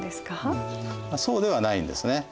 そうではないんですね。